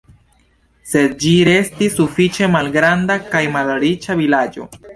Sed ĝi restis sufiĉe malgranda kaj malriĉa vilaĝo.